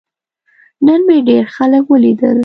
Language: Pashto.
نن مې ډیر خلک ولیدل.